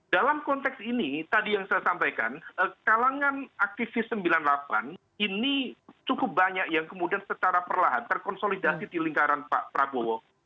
dalam konteks ini tadi yang saya sampaikan kalangan aktivis sembilan puluh delapan ini cukup banyak yang kemudian secara perlahan terkonsolidasi di lingkaran pak prabowo